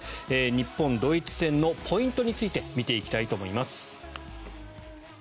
日本、ドイツ戦のポイントについて見ていきたいと思います。